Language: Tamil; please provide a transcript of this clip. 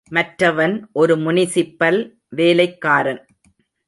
மற்றவன் ஒரு முனிசிப்பல் வேலைக்காரன்.